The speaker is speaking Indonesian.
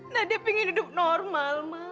nadia ingin hidup normal ma